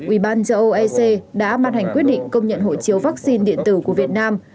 ubnd đã mặt hành quyết định công nhận hộ chiếu vaccine điện tử của việt nam